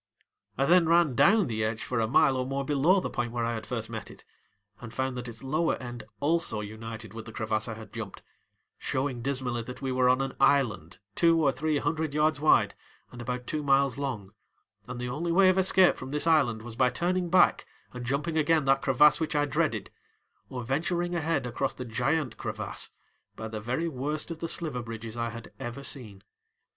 I then ran down the edge for a mile or more below the point where I had first met it, and found that its lower end also united with the crevasse I had jumped, showing dismally that we were on an island two or three hundred yards wide and about two miles long and the only way of escape from this island was by turning back and jumping again that crevasse which I dreaded, or venturing ahead across the giant crevasse by the very worst of the sliver bridges I had ever seen.